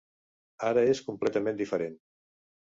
Ara és completament diferent